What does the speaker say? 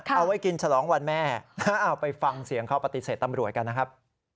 เอาไว้กินฉลองวันแม่เอาไปฟังเสียงเขาปฏิเสธตำรวจกันนะครับ